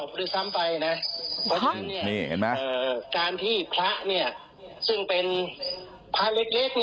พระการณ์พระเพี่ยงเล็กกรรม